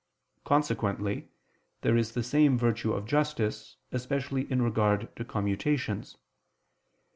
Consequently, there is the same virtue of justice, especially in regard to commutations.